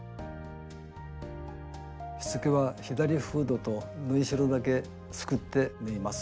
しつけは左フードと縫いしろだけすくって縫います。